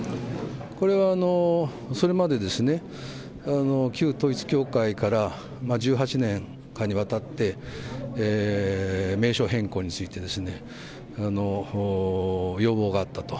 これは、それまでですね、旧統一教会から１８年間にわたって、名称変更についてですね、要望があったと。